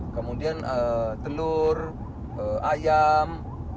kemudian telur ayam